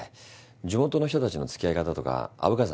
地元の人たちのつきあい方とか虻川さん